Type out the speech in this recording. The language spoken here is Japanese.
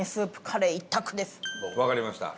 わかりました。